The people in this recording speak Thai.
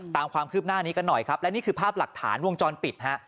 ตามความคืบหน้านี้กันหน่อยครับและนี่คือภาพหลักฐานวงจรปิดฮะ